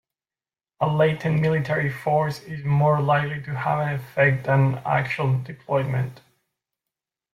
A latent military force is more likely to have an effect than actual deployment.